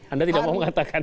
anda tidak mau mengatakan